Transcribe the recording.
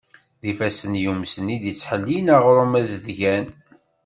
D ifassen yumsen i d-yettḥellin aɣrum azedgan.